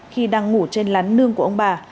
khi đang ngủ trên lán nương của ông bà